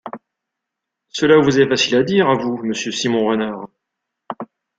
Cela vous est facile à dire à vous, Monsieur Simon Renard .